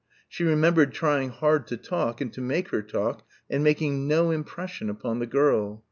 She remembered trying hard to talk and to make her talk and making no impression upon the girl.